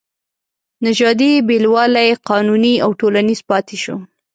نژادي بېلوالی قانوني او ټولنیز پاتې شو.